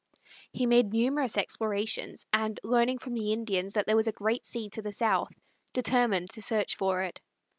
He made numerous explorations, and, learning from the Indians that there was a great sea to the south, determined to search for it.